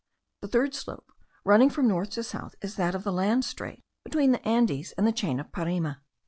The third slope, running from north to south, is that of the land strait between the Andes and the chain of Parime.